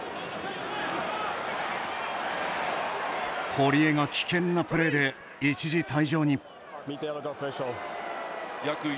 堀江が危険なプレーで一時退場に。